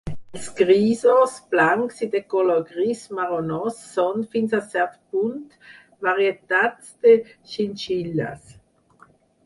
Els grisos, blancs i de color gris marronós són, fins a cert punt, varietats de xinxilles.